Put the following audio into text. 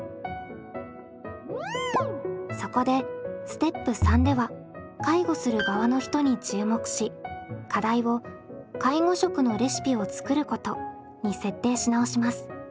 そこでステップ３では介護する側の人に注目し課題を介護食のレシピを作ることに設定し直します。